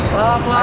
lama lama lama